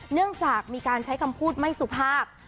เนื่องจากมีการใช้คำพูดไม่สุภาพ